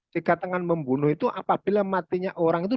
dikatakan membunuh itu apabila matinya orang itu